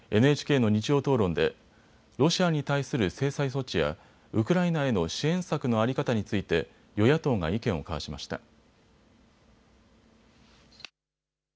ＮＨＫの日曜討論でロシアに対する制裁措置やウクライナへの支援策の在り方について与野党が意見を交わしました。